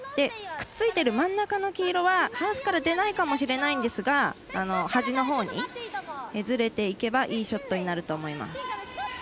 くっついてる真ん中の黄色は、ハウスから出ないかもしれないんですが端のほうにずれていけばいいショットになると思います。